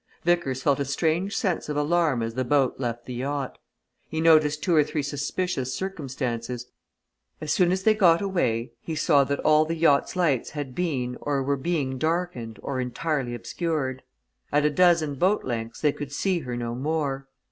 Vickers felt a strange sense of alarm as the boat left the yacht. He noticed two or three suspicious circumstances. As soon as they got away, he saw that all the yacht's lights had been or were being darkened or entirely obscured; at a dozen boat lengths they could see her no more.